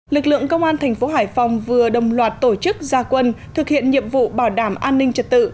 lực lượng công an thành phố hải phòng vừa đồng loạt tổ chức gia quân thực hiện nhiệm vụ bảo đảm an ninh trật tự